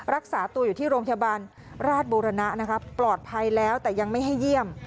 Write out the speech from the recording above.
รักษาตัวอยู่ที่โรงพยาบาลราชบุรณะนะครับปลอดภัยแล้วแต่ยังไม่ให้เยี่ยม